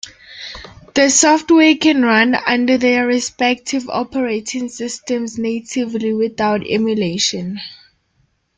The software can run under their respective operating systems natively without emulation.